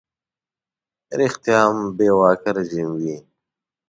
ریشتیا هم بې واکه رژیم وي.